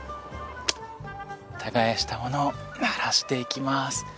耕したものをならしていきます。